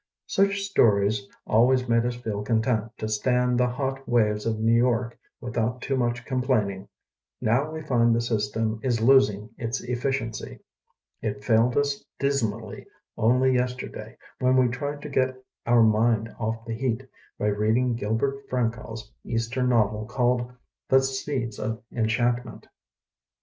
Such stories always made us feel content to stand the hot waves of New York without too much complaining. Now we find the system 418 THE BOOKMAN is losing its efficiency. It failed us dismally only yesterday when we tried to get our mind off the heat by read ing Gilbert Frankau's eastern novel called "The Seeds of Enchantment''.